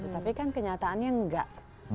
tapi kan kenyataannya enggak